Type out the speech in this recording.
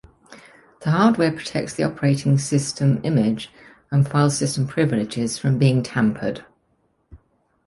The hardware protects the operating system image and file system privileges from being tampered.